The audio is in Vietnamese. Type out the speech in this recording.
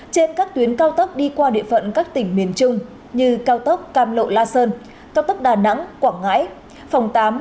trên các tuyến cao tốc đi qua địa phận các tỉnh miền trung như cao tốc cam lộ la sơn cao tốc đà nẵng quảng ngãi phòng tám